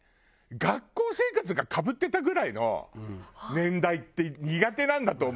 学校生活がかぶってたぐらいの年代って苦手なんだなと思うお互いに。